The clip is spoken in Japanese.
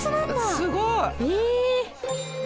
すごい！